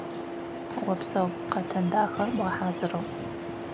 Опсэу, къэтын дахэ бгъэхьазырыгъ.